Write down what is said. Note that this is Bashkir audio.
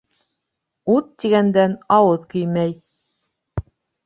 «Ут» тигәндән ауыҙ көймәй